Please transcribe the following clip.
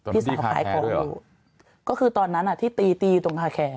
พี่สาวขายของด้วยหรอก็คือตอนนั้นอ่ะที่ตีตีตรงคาแค